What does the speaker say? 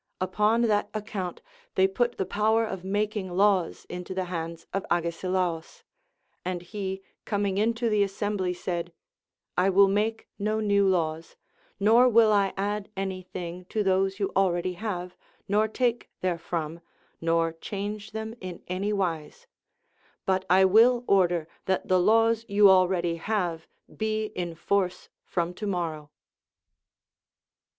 Upon that account they put the power of making laws into the hands of Agesilaus ; and he coming into the assembly said, I will make no new laws, nor will I add any thing to those you already have, nor take therefrom, nor change them in any wise ; but I will order that the laws you already have be in force from to morroΛV.